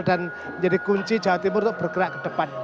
dan menjadi kunci jawa timur untuk bergerak ke depan